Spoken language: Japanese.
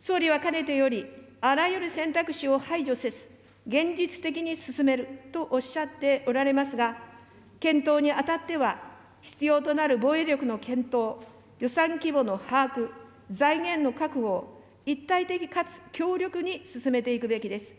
総理はかねてより、あらゆる選択肢を排除せず、現実的に進めるとおっしゃっておられますが、検討にあたっては必要となる防衛力の検討、予算規模の把握、財源の確保、一体的かつ強力に進めていくべきです。